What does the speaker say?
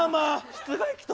室外機と。